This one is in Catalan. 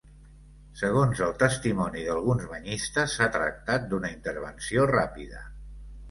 Segons el testimoni d’alguns banyistes, s’ha tractat d’una intervenció ràpida.